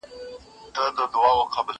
برابره یې قسمت کړه پر ده لاره